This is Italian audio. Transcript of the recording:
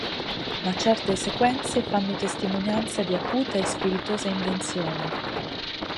Ma certe sequenze fanno testimonianza di acuta e spiritosa invenzione.